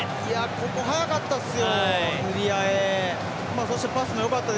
ここ速かったですよ